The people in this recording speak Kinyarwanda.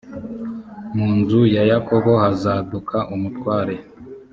mu nzu ya yakobo hazaduka umutware.